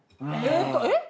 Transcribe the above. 「えっ？